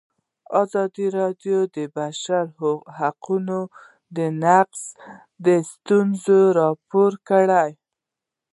ازادي راډیو د د بشري حقونو نقض ستونزې راپور کړي.